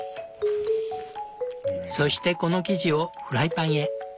そしてこの生地をフライパンへ。